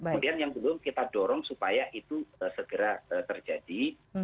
kemudian yang belum kita dorong supaya itu segera terjadi